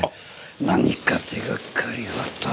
何か手掛かりはと。